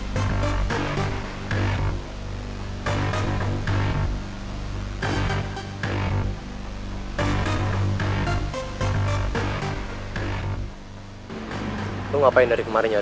sampai jumpa lagi